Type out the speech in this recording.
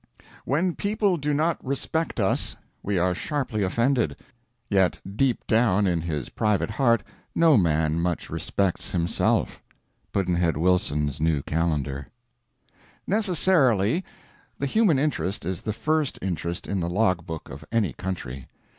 When people do not respect us we are sharply offended; yet deep down in his private heart no man much respects himself. Pudd'nhead Wilson's New Calendar. Necessarily, the human interest is the first interest in the log book of any country.